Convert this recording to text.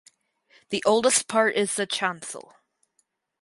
The oldest part is the chancel.